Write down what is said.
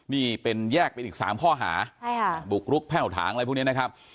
นี่เป็นแยกเป็นอีก๓ข้อหาบุกรุกแพ่วถางอะไรพวกนี้นะครับ